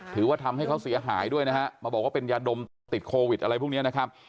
ถือว่าทำให้เขาเสียหายด้วยนะฮะมาบอกว่าเป็นยาดมตอนติดโควิดอะไรพวกนี้นะครับ